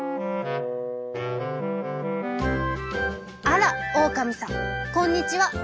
「あらオオカミさんこんにちは。